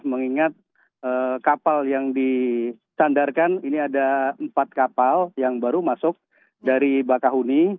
mengingat kapal yang dicandarkan ini ada empat kapal yang baru masuk dari bakahuni